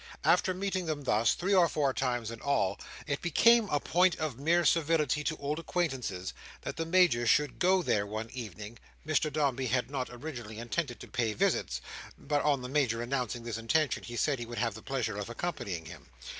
After meeting them thus, three or four times in all, it became a point of mere civility to old acquaintances that the Major should go there one evening. Mr Dombey had not originally intended to pay visits, but on the Major announcing this intention, he said he would have the pleasure of accompanying him.